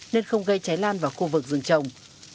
nên không gây cháy lan vào khu vực rừng trồng